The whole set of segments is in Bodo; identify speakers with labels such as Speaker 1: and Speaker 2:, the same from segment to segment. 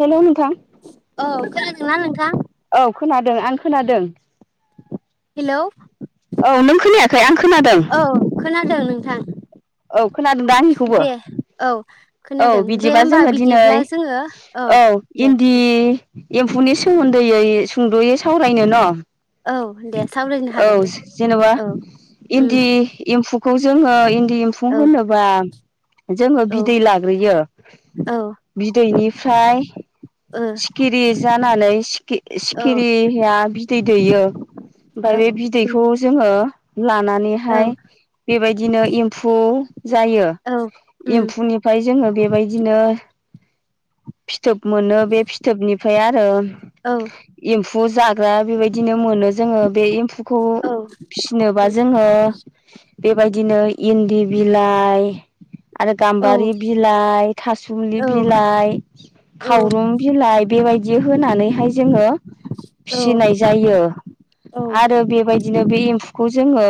Speaker 1: हेलौ नोंथां
Speaker 2: औ खोनादों ना नोंथां
Speaker 1: औ खोनादों आं खोनादों
Speaker 2: हेलौ
Speaker 1: औ नों खोनायाखै आं खोनादों
Speaker 2: औ खोनादों नोंथां
Speaker 1: औ खोनादों दा आंनिखौबो
Speaker 2: दे औ
Speaker 1: औ
Speaker 2: खोनादों दे
Speaker 1: बिदिबा
Speaker 2: होमबा
Speaker 1: जोङो दिनै
Speaker 2: बिदिब्ला जोङो
Speaker 1: औ
Speaker 2: दे
Speaker 1: इन्दि एम्फौनि सोमोन्दैयै सुंद'यै सावरायनो न'
Speaker 2: दे सावरायनो
Speaker 1: औ
Speaker 2: हागोन दे
Speaker 1: जेनेबा
Speaker 2: औ उम
Speaker 1: इन्दि एम्फौखौ जोङो इन्दि एम्फौ
Speaker 2: औ
Speaker 1: [unintelligible] [unintelligible] जोङो
Speaker 2: औ
Speaker 1: बिदै लाग्रोयो
Speaker 2: औ
Speaker 1: बिदैनिफ्राय
Speaker 2: ओ
Speaker 1: सिखिरि जानानै खि सिखिरिाया बिदै दैयो
Speaker 2: औ
Speaker 1: ओमफफ्राय बे बिदैखौ
Speaker 2: उम
Speaker 1: जोङो
Speaker 2: औ
Speaker 1: लानानैहाय बेबायदि बिदिनो एम्फौ जायो
Speaker 2: औ उम
Speaker 1: एम्फौनिफ्राय जोङो बेबायदिनो फि थोब मोननो बे फिथोबनिफ्राय आरो
Speaker 2: औ
Speaker 1: एम्फौ जाग्रा बेबायदिनो मोनो जोङो बे एम्फौखौ
Speaker 2: औ
Speaker 1: फिसिनोबा जोङो बेबायदिनो इन्दि बिलाइ आरो गाम्बारि बिलाइ थाससुमलि
Speaker 2: औ
Speaker 1: बिलाइ खावरुं बेबायदि होनानैहाय जोङो
Speaker 2: औ
Speaker 1: फिसिनाय जायो
Speaker 2: औ
Speaker 1: आरो बेबायदिनो बे एम्फौ खौ जोङो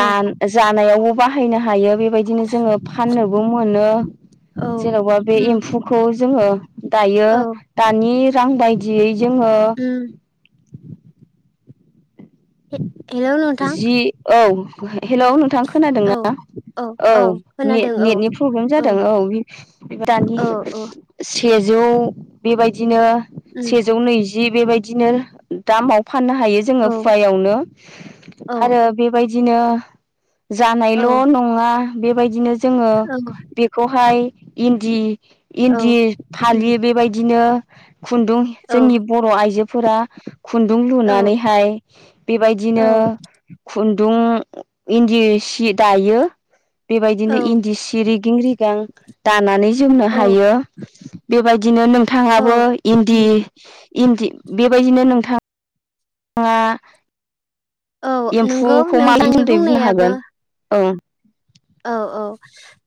Speaker 2: औ
Speaker 1: जान नायावबो बाहायनो हायो बे बायदिनो जोङो फाननोबो मोनो
Speaker 2: औ
Speaker 1: जेन'बा बे
Speaker 2: उम
Speaker 1: एम्फुखौ जोङो दायो
Speaker 2: औ
Speaker 1: दानि रां बायदियै जोङो
Speaker 2: उम [inaudible] नोंथां
Speaker 1: जि औ हेल'नोंथां
Speaker 2: औ
Speaker 1: खोनादोंना औ ने-नेटनि प्रब्लेम जादों औ दानि
Speaker 2: औ औ
Speaker 1: सेजौ बेबायदिनो
Speaker 2: उम
Speaker 1: सेजौ नैजि जि बेबायदिनो दामाव फाननो हायो जोङो
Speaker 2: औ
Speaker 1: फुवायावनो
Speaker 2: औ
Speaker 1: आरो बेबा बिदिनो जानायल'
Speaker 2: औ
Speaker 1: नङा बेबायदिनो जोङो
Speaker 2: औ
Speaker 1: बेखौहाय इन्दि
Speaker 2: औ
Speaker 1: इन्दि
Speaker 2: उम
Speaker 1: फालि बेबायदिनो खुन्दुं
Speaker 2: औ
Speaker 1: जोंनि बर' आइजोफोरा खुन्दुं
Speaker 2: औ
Speaker 1: लुनानैहाय बेबायदिनो
Speaker 2: औ
Speaker 1: खुन्दुं इन्दि सि दायो बेबायदिनो
Speaker 2: औ
Speaker 1: इन्दि सि रिगिं रिगां दानानै जोमनो
Speaker 2: औ
Speaker 1: हायो बेबायदिनो
Speaker 2: औ
Speaker 1: नोंथाङाबो
Speaker 2: उम
Speaker 1: इन्दि-इन्दि बेबायदिनो नोंथा ङा।
Speaker 2: औ नंगौ
Speaker 1: एम्फुखौ [unintelligible]
Speaker 2: नोंथांनि
Speaker 1: बुंनो हागोन ओं।
Speaker 2: औ-औ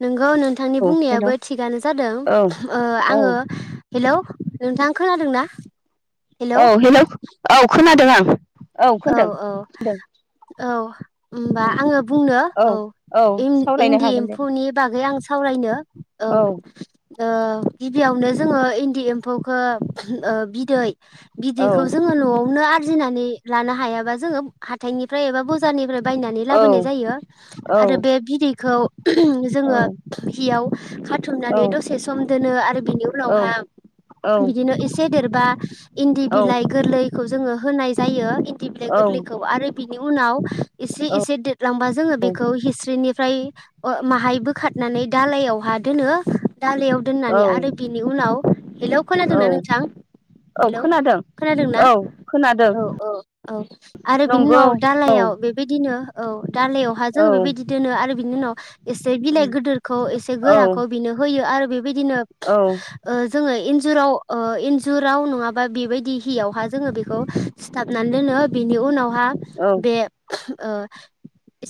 Speaker 2: नोंग गौ नोंथांनि
Speaker 1: औ
Speaker 2: बुंनायाबो
Speaker 1: हेल'
Speaker 2: थिगानो जादों ओ
Speaker 1: औ
Speaker 2: आङो
Speaker 1: औ
Speaker 2: हेलौ नोंथां खोनादों ना?
Speaker 1: औ हेल' औ खोनादों आं औ खोनादों खोनादों
Speaker 2: औ-औ-औ होनबा
Speaker 1: उम
Speaker 2: आङो बुंनो औ
Speaker 1: सावरायनो
Speaker 2: इन-इन्दि
Speaker 1: हागोन दे
Speaker 2: एम्फौनि बागै आं सावरायनो औ ओ गिबियावनो जो ङो इन्दि एम्फौखौ ओ बिदै
Speaker 1: औ
Speaker 2: बिदैखौ जोङो न'आव नो आरजिनानै लानो हायाबा जोङो हाथथायनिफाय एबा बज बाजारनिफ्राइ बायनानै
Speaker 1: औ
Speaker 2: लाबोनाय जायो
Speaker 1: औ
Speaker 2: आरो बे बिदैखौ
Speaker 1: औ
Speaker 2: जोङो हियाव
Speaker 1: औ
Speaker 2: खाथुमनानै दसे सम दोनो आरो बिनि उनावहा बिदिनो एसे देरबा इन्दि बिलाइ गोरलैखौ जो ङो होनाय जायो। इन्दि बिलाइ गोरलैखौ आरो बिनि उनाव इसे इसे देर लांबा जोङो बेखौ हिस्रिनि फाय ओ माहाय बोखारनानै दालायावहा दोनो दालायाव
Speaker 1: औ
Speaker 2: दोननानै आरो बिनि उनाव, हेलौ
Speaker 1: औ
Speaker 2: खोनादोंना नोंथां?
Speaker 1: औ
Speaker 2: हेलौ
Speaker 1: खोनादों
Speaker 2: खोनादोंना,
Speaker 1: औ खोनादों
Speaker 2: औ-औ औ आरो बिनि
Speaker 1: नंगौ
Speaker 2: उनाव
Speaker 1: औ
Speaker 2: दालायाव बेबायदि नो औ दाालइयावहा
Speaker 1: औ
Speaker 2: जोङो बेबायदि दोनो आरो बिनि उनाव एसे बिलाइ गोदोरखौ एसे
Speaker 1: औ
Speaker 2: गोराखौ बिनो होयो आरो बेबायदिनो
Speaker 1: औ
Speaker 2: ओ जोङो इन- जुराव ओ इन्जुराव नङाबा बेबायदि हियावहा जोङो बेखौ सिथाब नान दोनो बिनि उनाव हा
Speaker 1: औ
Speaker 2: बे ओ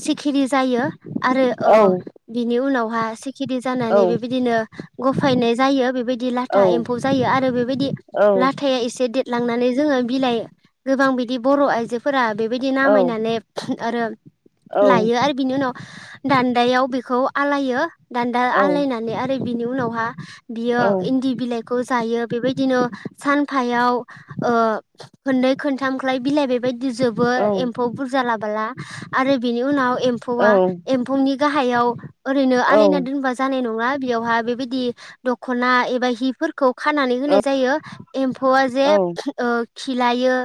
Speaker 2: सिखिरि जायो। आरो
Speaker 1: औ
Speaker 2: ओ बिनि उनावहा सिखिरि जानानै बेबायदिनो गफायनाय जायो बेबायदि लाथा एम्फौ जायो आरो बेबायदि लाथाया एसे दे लांनानै जोङो बिलाइ। गोबां बिदि बर' आइजोफोरा बेबायदि नामायनानै आरो लायो आरो बिनि उनाव दान्दायाव बेखौ आलायो। दानदा आलायनानै आरो बिनि उनाव बा बियो इन्दि बिलाइखौ जायो। बेबायदिनो सानफायाव ओ खोननै खोनथामखौलाय बिलाइ बेबायदि दिजोबो एम्फौ बुरजा लाब ब्ला आरो बिनि उनाव एम्फौआ एम्फौनि गाहायाव ओरैनो आलायना दोनबा जानाय न ङा बेयावहाय बेबायदि दख'ना एबा हिफोरखौ खानानै होनाय जायो। एम्फौआ जे ओ खिलायो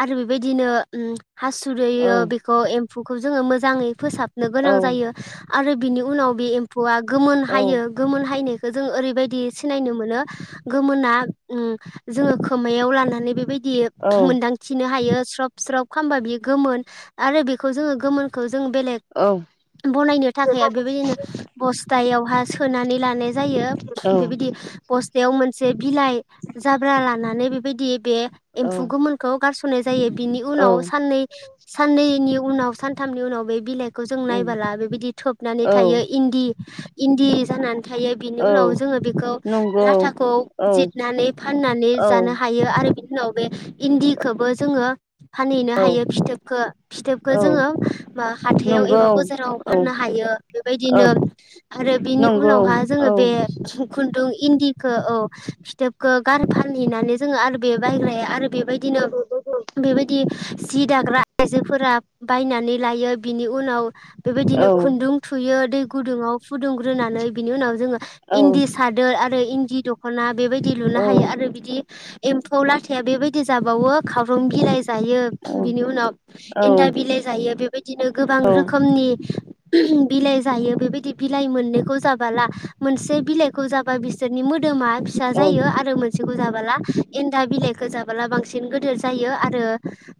Speaker 2: आरो बेबायदिनो ओम हासुदै ओ बेखौ एम म्फुखौ जोङो मोजाङै फोसाबनो
Speaker 1: औ
Speaker 2: गोनां जायो। आरो बिनि उनाव बे एम्फु आ गोमोन
Speaker 1: औ
Speaker 2: हायो गोमोन हायनो खो जों ओरैबायदि सिनायनो मोनो गोमोना ओम जोङो खोमायाव लानानै बेबायदि दि
Speaker 1: औ
Speaker 2: मोन्दां नोहायो स्रब स्रब खामबा बेयो गोमोन आरो बेखौ जोङो गोमोनखो जों बेलेग
Speaker 1: औ
Speaker 2: बनायनो थाखाय बेबायदिनो बस्थायाव हा सोनानै लानाय जायो।
Speaker 1: औ
Speaker 2: बेबायदि बस्थायाव मोन से बिलाइ जाब्रा लानानै बेबायदि बे एम्फु
Speaker 1: औ
Speaker 2: गोमोन गारसोनाय जायो। बिनि
Speaker 1: औ
Speaker 2: उनाव साननै साननैनि उनाव सानथामनि उनाव बे बिलाइखौ जों
Speaker 1: उम
Speaker 2: नायबोला बेबायदि थोबनानै
Speaker 1: औ
Speaker 2: थायो इन्दि इन्दि जानानै थायो बिनि उनाव
Speaker 1: औ
Speaker 2: जोङो बेखौ
Speaker 1: नंगौ
Speaker 2: लाथाखौ
Speaker 1: औ
Speaker 2: जिरनानै फाननानै जानो
Speaker 1: औ
Speaker 2: हायो आरो बेनि उनाव बे इन्दिखोबो जोङो फानहैनो
Speaker 1: औ
Speaker 2: हायो फिथोबखो फिथोबखो जोङो मा हाथायाव एबा
Speaker 1: नंगौ
Speaker 2: बाजाराव
Speaker 1: औ
Speaker 2: फाननो हायो।
Speaker 1: औ
Speaker 2: बेबायदिनो आरो बेनि
Speaker 1: नंगौ
Speaker 2: उनावहाय
Speaker 1: औ
Speaker 2: जोङो बे खु न्दुं इन्दिखो औ फिथोबखौ गार फानहैनानै जोङो आरो बे बायग्राया आरो बेबायदिनो बेबायदि सि दाग्रा आइजोफोरा बायनानै लायो बिनि उनाव
Speaker 1: औ
Speaker 2: बेबायदिनो खुन्दुं थुयो दै गुदुङाव फुदुंग्रोनानै बिनि उनाव जोङो
Speaker 1: औ
Speaker 2: इन्दि सादोर आरो इ जि दख'ना बेबायदि लुनो
Speaker 1: औ
Speaker 2: हायो आरो बिदि एम्फौ लाथाया बेबाय दि जाबावो खावरंबिलाय जायो बिनि उनाव
Speaker 1: औ
Speaker 2: एन्दा बिलाइ जायो। बिदिनो गोबां रोखोमनि बिलाइ जायो बेबायदि बिलाइ मोननैखौ जाबाला मोनसे बिलाइखौ जाबा बिसोरनि मोद दोमा फिसा जायो आरो मोनसेखौ जाबोला एन्दा बिलाइखौ जाब बांसिन गोदोर जायो आरो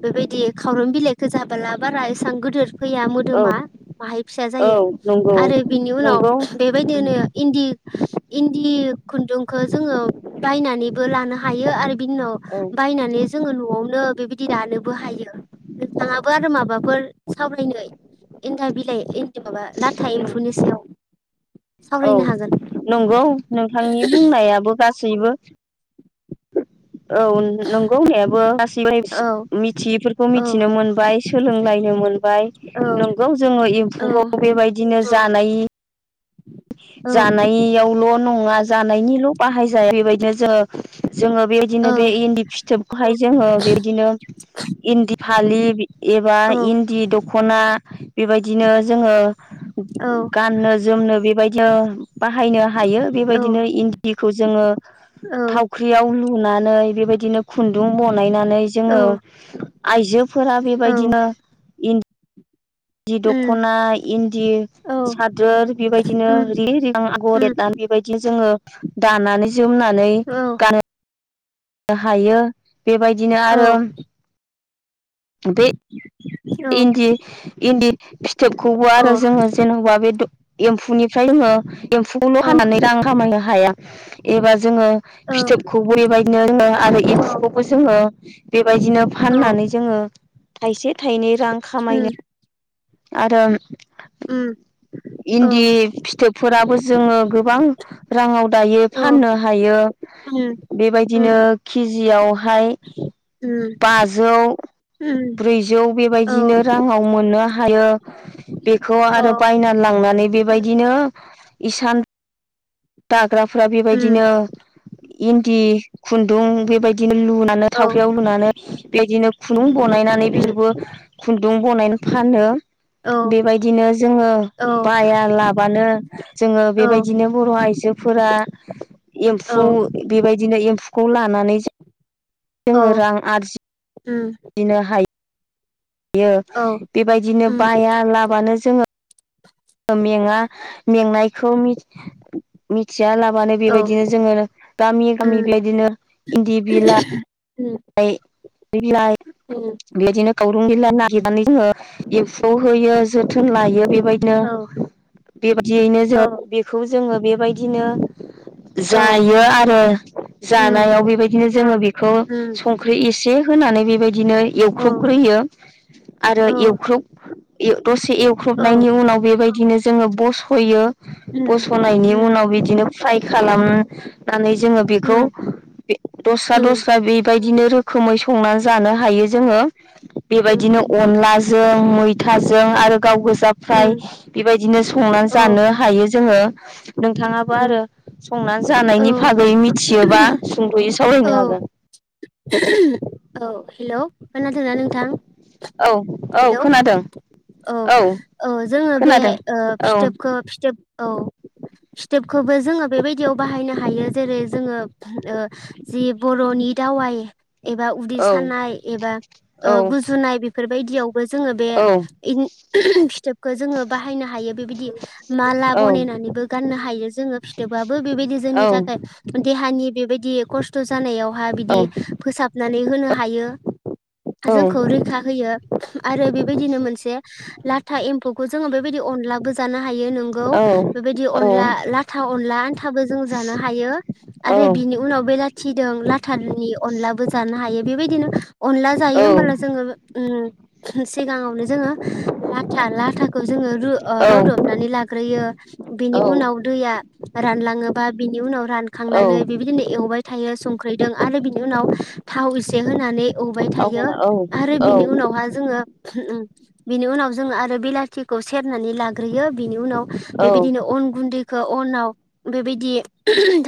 Speaker 2: बेबायदि खावरुम बिलाइखौ जाबाला बारा एसां गोदोर फैया मोदोमा बाहाय फिसा जायो
Speaker 1: नंगौ
Speaker 2: आरो बिनि उनाव
Speaker 1: नंगौ उम
Speaker 2: बेबायदिनो इन्दि इन्दि खुन्दुंखौ जोङो बायनानैबो लानो हायो आरो बिनि
Speaker 1: औ
Speaker 2: उनाव माने जोङो न'आवनो बेबायदि दानोबो हायो। नोंथाङाबो आरो माबाफोर सावरायनो एन्दा बिलाइ माबा लाथा एम्फौनि सायाव
Speaker 1: औ
Speaker 2: सावरायनो हागोन।
Speaker 1: सैबो औ नोंगौ होननायाबो
Speaker 2: औ
Speaker 1: [unintelligible] मिथियैफोरखौ
Speaker 2: औ
Speaker 1: मिथिनो मोनबाय सोलोंलायनो मोनबाय
Speaker 2: औ
Speaker 1: नंगौ जोङो
Speaker 2: औ
Speaker 1: एम्फौखौ बेबायदिनो जानाय
Speaker 2: औ
Speaker 1: जानायावल' नङा जानायनिल' बाहाय जाया बेबायदिनो जोङो जोङो बेबायदिनो बे इन्दि फिथोबखौहाय जोङो बेबायदिनो इन्दि फालि बि एबा
Speaker 2: औ
Speaker 1: इन्दि द ख'ना बेबायदिनो जोङो
Speaker 2: औ
Speaker 1: गाननो जोमनो बे नो बाहायनो हायो बेबायदिनो इन्दिखौ जोङो
Speaker 2: औ
Speaker 1: थावख्रियाव लुनानै बेबायदिनो खुन्दुं बनायनानै जोङो आइजोब फोरा
Speaker 2: औ
Speaker 1: बेबायदिनो इन दि
Speaker 2: उम
Speaker 1: दख'ना इन्दि
Speaker 2: औ
Speaker 1: सादोर बेबायदिनो
Speaker 2: उम
Speaker 1: रिगि रेगां आगर
Speaker 2: उम
Speaker 1: एरना बेबायदि जोङो। दानानै जोमनानै
Speaker 2: औ
Speaker 1: गानो। हायो। बेबायदिनो
Speaker 2: औ
Speaker 1: आरो बे इन्दि इन्दि फिथोबखौबो आरो जोङो जेनबा बे द एम्फौनिफ्राय ओङो‌ एम्फौखौल
Speaker 2: औ
Speaker 1: हानानै रां खामायनो हाया एबा जोङो
Speaker 2: औ
Speaker 1: फिथोबखौबो बेबायदिनो रोङो आरो एम्फौखौबो जोङो बेबायदिनो फाननानै
Speaker 2: उम
Speaker 1: जोङो थाइसे थाइनै रां
Speaker 2: उम
Speaker 1: खामायनो आरो
Speaker 2: औ
Speaker 1: इन्दि फिथोब फोराबो जोङो गोबां राङाव दायो फाननो हायो
Speaker 2: उम
Speaker 1: बिदिनो
Speaker 2: उम
Speaker 1: केजियावहाय
Speaker 2: उम उम
Speaker 1: बाजौ ब्रैजि जौ
Speaker 2: औ
Speaker 1: बेबायदिनो राङाव मोननो हायो बेखौ
Speaker 2: औ
Speaker 1: आरो बायना लांनानै
Speaker 2: उम
Speaker 1: बेबायदिनो इसानद दाग हाग्राफ्रा बेबायदिनो
Speaker 2: उम
Speaker 1: इन्दि खुन्दुं बेबायदि बिदिनो लुनानै
Speaker 2: औ
Speaker 1: थाव्रियाव लुनानै बेदि खुनो बानायनायनानै
Speaker 2: उम
Speaker 1: बिसोर खुन्दुं बनायनो फानो
Speaker 2: औ
Speaker 1: बेबायदिनो जोङो
Speaker 2: औ
Speaker 1: बाया लाबानो जोङो
Speaker 2: उम
Speaker 1: बेबायदिनो बर आइजोफोरा
Speaker 2: औ
Speaker 1: एम्फौ बेबायदिनो एम्फौखौ लानानै जों जोङो रां आरजिनो हायो इयो बेबायदिनो
Speaker 2: उम
Speaker 1: बाया लाबानो जोङो मेंङा मेंनायखौ मिथि बिया लाबानो
Speaker 2: औ
Speaker 1: बेबायदिनो जोङो गामि गामि
Speaker 2: उम
Speaker 1: बेबायदिनो इन्दि बिलाइ
Speaker 2: उम
Speaker 1: बिलाइ
Speaker 2: उम
Speaker 1: बेयो दिनो गावरं बिला नागिरनानै जोङो एफ्फौ होयो जोथोन लायो बे बेबायदिनो
Speaker 2: औ
Speaker 1: बेबायदियैनो
Speaker 2: औ
Speaker 1: जों बेखौ जोङो बे बेबायदिनो
Speaker 2: औ
Speaker 1: जायो आरो
Speaker 2: उम
Speaker 1: जानायाव बेबायदिनो जोङो बेखौ
Speaker 2: उम
Speaker 1: संख्रि एसे होनानै बेबायदि बिदिनो
Speaker 2: औ
Speaker 1: एवख्रुबग्रोयो आरो
Speaker 2: औ
Speaker 1: एवख्रुब दसे
Speaker 2: औ
Speaker 1: एवख्रुबनायनि उनाव बेबायदिनो जोङो बस'यो।
Speaker 2: उम
Speaker 1: बस'नायनि
Speaker 2: उम
Speaker 1: उनाव बिदिनो। [inaudible] जोङो बेखौ
Speaker 2: उम
Speaker 1: दस्रा
Speaker 2: उम
Speaker 1: दस्रा। बेबायदिनो रोखोमै संनानै जानो हायो जोङो।
Speaker 2: उम
Speaker 1: बेबायदिनो अनलाजों मैथाजों आरो। गाव गोजा फ्राय
Speaker 2: उम
Speaker 1: बेबायदि। बिदिनो संनानै
Speaker 2: औ
Speaker 1: जानो हायो जोङो। नोंथाङाबो आरो
Speaker 2: उम
Speaker 1: संना
Speaker 2: औ
Speaker 1: जानायनि बागै मिथियोबा सुंद'यै
Speaker 2: औ
Speaker 1: सावरायनो हागोन।
Speaker 2: औ हेल' खोनादोंना नोंथां।
Speaker 1: औ औ
Speaker 2: हेलौ
Speaker 1: खोनादों।
Speaker 2: औ औ जोङो बे
Speaker 1: खोनादों औ
Speaker 2: फिथोबखौ फिथोब औ स्टेपखौबो जोङो बेबायदियाव बाहायनो हायो जेरै जोङो जि बर'नि दावाइ। एबा उदै
Speaker 1: औ
Speaker 2: सानाय एबा
Speaker 1: औ
Speaker 2: गुजुनाय बे बेफोर बायदियावबो जोङो।
Speaker 1: औ
Speaker 2: फिथोबखौ जोङो बाहायनो हायो बेबायदि माला बनायनानैबो। गाननो हायो। जोङो फिथोबबाबो बेबायदि जोंनि थाखाय। देहानि बेबायदि खस्थ' जानायाव। बा बिदि फोसाब। नानै होनो हायो। जोंखौ रैखा होयो। आरो बे बिदिनो मोनसे। लाथा एम्फौखौ जों। जोङो बेबायदि अनलाबो जानो हायो नोंगौ बेबायदि अनला लाथा अनला आन्थाबो जों जानो हायो आरो बिनि उनाव बेलाथि दों लाथानि अनलाबो जानो हायो बेबायदिनो। अनला जायो होमबोला जोङो ओ सिगाङावनो जोङो लाथा लाथाखौ जोङो ओ रुदबनानै लाग्रोयो बेनि उनाव दैया रानलाङोबा बिनि उनाव रानखांनानै बिबायदिनो एवबाय थायो संख्रैदों आरो बिनि उनाव थाव इसे होनानै एवबाय थायो आरो बिनि उनावहा जोङो बिनि उनाव जोङो आरो बिलाथिखौ सेर होनानै लाग्रोयो बिनि उनाव बेबायदिनो अन गुन्दै खौ अनाव बेबायदि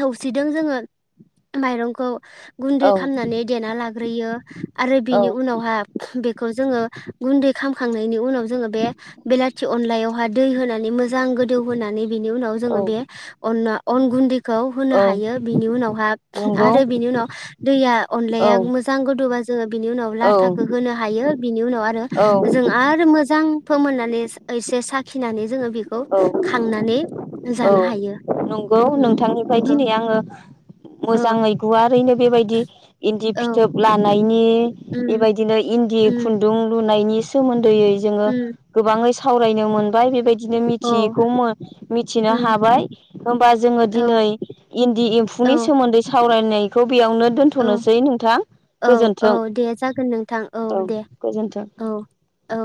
Speaker 2: थौसिदों जोङो माइरंखौ गुन्दै खामनानै देना लाग्रोयो आरो बेनि उनावहा बेख खौ जोङो गुन्दै खामखांनायनि उनाव जोङो बे बेलाथि अनलायावहाय दै होनानै मोजां गोदौ होनानै बिनि उनाव जोङो बे अना अन गुन्दै खौ होनो हायो बिनि उनावहा
Speaker 1: नंगौ
Speaker 2: आरो बिनि उनाव दैया
Speaker 1: औ
Speaker 2: अनलाया मोजां गोदौबा जोङो बिनि उनाव लाथाखौ होनो हायो बिनि उनाव आरो
Speaker 1: औ
Speaker 2: जों आरो मोजां फोमोननानै इस ओइस एसे साखिनानै जोङो बेखौ
Speaker 1: औ
Speaker 2: खांनानै
Speaker 1: औ
Speaker 2: जानो हायो
Speaker 1: नंगौ
Speaker 2: उम
Speaker 1: नोंथांनिफ्राय
Speaker 2: नंगौ
Speaker 1: दिनै आङो
Speaker 2: औ
Speaker 1: मोजाङै गुवारैनो बेबायदि इन्दि
Speaker 2: औ
Speaker 1: फिथोब लाना नै
Speaker 2: उम
Speaker 1: बेबायदिनो इन्दि
Speaker 2: उम
Speaker 1: खुन्दुं लु नायनि सोमो दै जोङो
Speaker 2: उम
Speaker 1: गोबाङै सावरायनो मोन नबाय बेबायदिनो मि
Speaker 2: औ
Speaker 1: मिथियिखौ मो मिथिनो
Speaker 2: उम
Speaker 1: हाबाय होमबा जोङो
Speaker 2: औ
Speaker 1: दिनै इन्दि एम्फौनि
Speaker 2: औ
Speaker 1: सोमोन्दै सावरायनाय बेयावनो
Speaker 2: औ
Speaker 1: दोन्थ'नोसै नोंथां
Speaker 2: औ औ
Speaker 1: गोजोन्थों
Speaker 2: दे जागोन नोंथां
Speaker 1: औ
Speaker 2: दे
Speaker 1: गोजोन्थों।
Speaker 2: औ औ